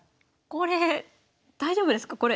これ大丈夫ですか？